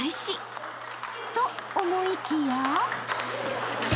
［と思いきや］